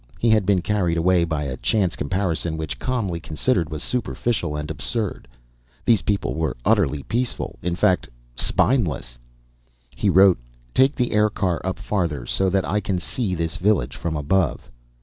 He had been carried away by a chance comparison which, calmly considered, was superficial and absurd. These people were utterly peaceful in fact, spineless. He wrote, "Take the aircar up farther, so that I can see this village from above."